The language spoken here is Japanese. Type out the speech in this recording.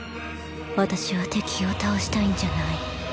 私は敵を倒したいんじゃない。